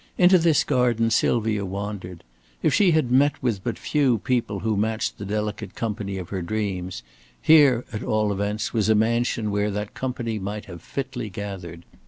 Into this garden Sylvia wandered. If she had met with but few people who matched the delicate company of her dreams, here, at all events, was a mansion where that company might have fitly gathered.